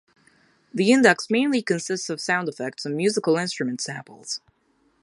The index mainly consists of sound effects and musical instrument samples.